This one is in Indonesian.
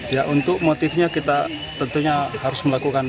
ya untuk motifnya kita tentunya harus melakukan